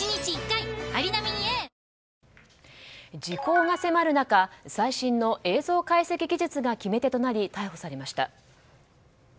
時効が迫る中最新の映像解析技術が決め手となり逮捕されました。